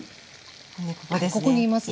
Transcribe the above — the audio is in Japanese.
骨ここですね。